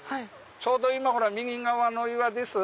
ちょうど今ほら右側の岩です。